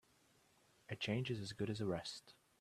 A change is as good as a rest.